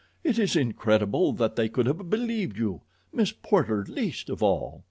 It is incredible that they could have believed you—Miss Porter least of all.